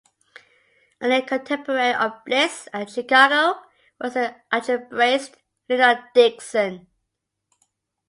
A near-contemporary of Bliss's at Chicago was the algebraist Leonard Dickson.